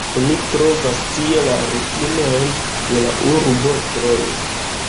Oni trovas tie la ruinojn de la urbo Trojo.